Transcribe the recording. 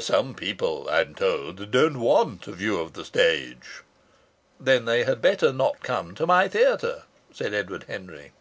Some people, I am told, don't want a view of the stage." "Then they had better not come to my theatre," said Edward Henry.